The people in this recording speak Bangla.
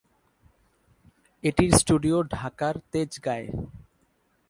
এটির স্টুডিও ঢাকার তেজগাঁয়ে।